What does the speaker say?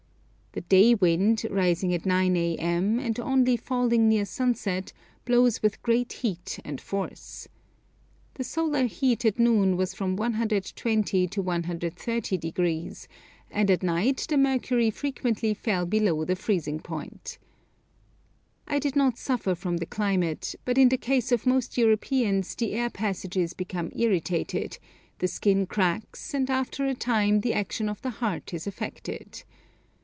The day wind, rising at 9 a.m., and only falling near sunset, blows with great heat and force. The solar heat at noon was from 120° to 130°, and at night the mercury frequently fell below the freezing point. I did not suffer from the climate, but in the case of most Europeans the air passages become irritated, the skin cracks, and after a time the action of the heart is affected.